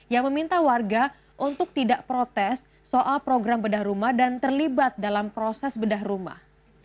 yang meminta warga untuk tidak protes soal program bedah rumah dan terlibat dalam proses bedah rumah